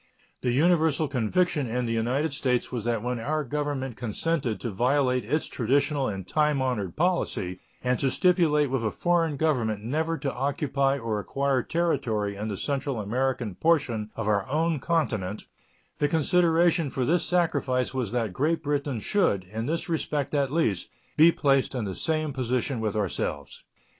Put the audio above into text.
The universal conviction in the United States was that when our Government consented to violate its traditional and time honored policy and to stipulate with a foreign government never to occupy or acquire territory in the Central American portion of our own continent, the consideration for this sacrifice was that Great Britain should, in this respect at least, be placed in the same position with ourselves.